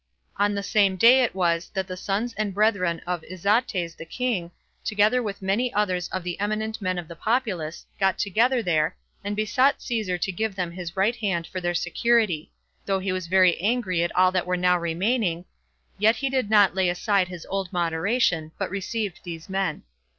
On the same day it was that the sons and brethren of Izates the king, together with many others of the eminent men of the populace, got together there, and besought Caesar to give them his right hand for their security; upon which, though he was very angry at all that were now remaining, yet did he not lay aside his old moderation, but received these men.